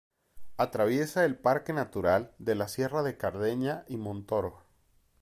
Atraviesa el parque natural de la Sierra de Cardeña y Montoro.